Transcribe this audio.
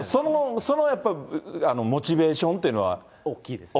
そのやっぱりモチベーションっていうのは大きいですね。